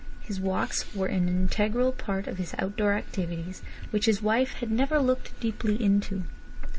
His walks were an integral part of his outdoor activities, which his wife had never looked deeply into.